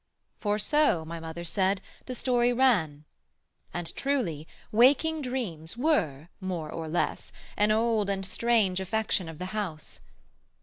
For so, my mother said, the story ran. And, truly, waking dreams were, more or less, An old and strange affection of the house.